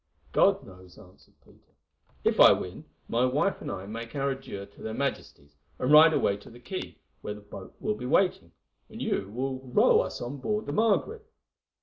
"God knows!" answered Peter. "If I win, my wife and I make our adieux to their Majesties, and ride away to the quay, where the boat will be waiting, and you will row us on board the Margaret.